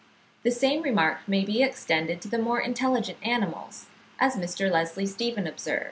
The same remark may be extended to the more intelligent animals; as Mr. Leslie Stephen observes (64.